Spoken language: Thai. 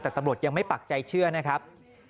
แต่ตำรวจยังไม่ปักใจเชื่อนะครับ